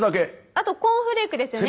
あとコーンフレークですよね。